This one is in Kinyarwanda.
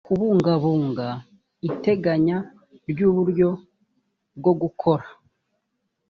kubungabunga iteganya ry uburyo bwo gukora